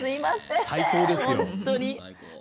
最高ですよ。